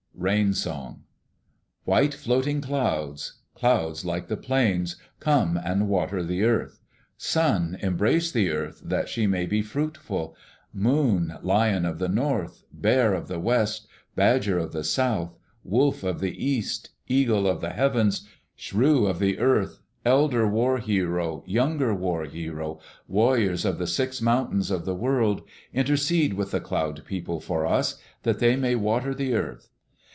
Rain Song White floating clouds. Clouds, like the plains, come and water the earth. Sun, embrace the earth that she may be fruitful. Moon, lion of the north, bear of the west, badger of the south, wolf of the east, eagle of the heavens, shrew of the earth, elder war hero, younger war hero, warriors of the six mountains of the world, intercede with the Cloud People for us that they may water the earth.